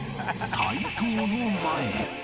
齊藤の前へ